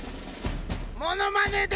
モノマネで！